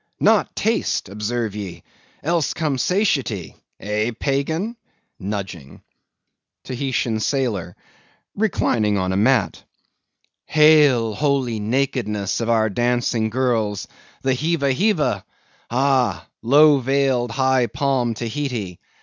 not taste, observe ye, else come satiety. Eh, Pagan? (Nudging.) TAHITAN SAILOR. (Reclining on a mat.) Hail, holy nakedness of our dancing girls!—the Heeva Heeva! Ah! low veiled, high palmed Tahiti!